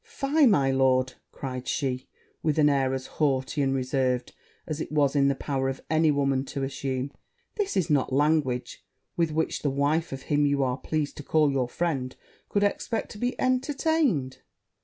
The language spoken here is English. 'Fie, my lord!' cried she, with an air as haughty and reserved as it was in the power of any woman to assume, 'this is not language with which the wife of him you are pleased to call your friend, could expect to be entertained.'